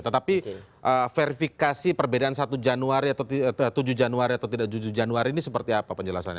tetapi verifikasi perbedaan satu januari atau tujuh januari atau tidak tujuh januari ini seperti apa penjelasannya